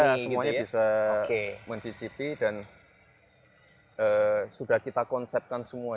semuanya bisa mencicipi dan sudah kita konsepkan semua